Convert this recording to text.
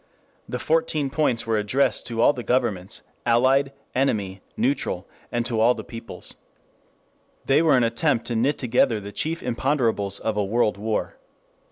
The Fourteen Points were addressed to all the governments, allied, enemy, neutral, and to all the peoples. They were an attempt to knit together the chief imponderables of a world war.